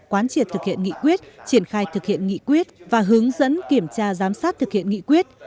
quán triệt thực hiện nghị quyết triển khai thực hiện nghị quyết và hướng dẫn kiểm tra giám sát thực hiện nghị quyết